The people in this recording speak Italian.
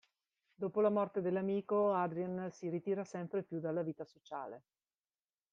Dopo la morte dell'amico Adrian si ritira sempre più dalla vita sociale.